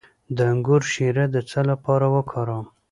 د انګور شیره د څه لپاره وکاروم؟